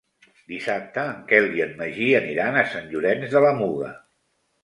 Dissabte en Quel i en Magí aniran a Sant Llorenç de la Muga.